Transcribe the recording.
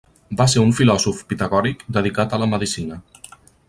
Va ser un filòsof pitagòric dedicat a la medicina.